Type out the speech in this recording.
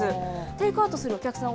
テイクアウトするお客さん